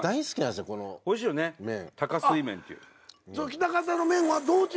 喜多方の麺はどう違うの？